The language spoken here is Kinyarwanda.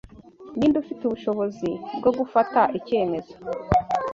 ni nde ufite ubushobozi bwo gufata icyemezo